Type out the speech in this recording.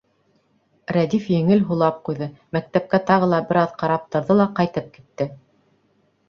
Рәдиф еңел һулап ҡуйҙы, мәктәпкә тағы ла бер аҙ ҡарап торҙо ла ҡайтып китте.